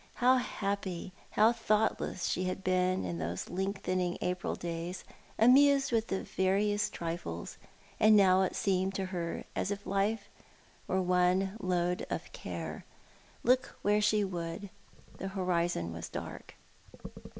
How happy, how thoughtless she had been in those lengthening April days, amused with the veriest triiies ; and now it seemed to her as if life were one load of care. Look where she would, the horizon was dark.